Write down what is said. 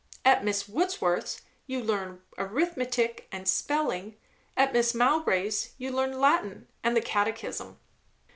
At Miss Wordsworth's you learn arithmetic and spelling. At Mrs. Mowbray's you learn Latin and the Catechism."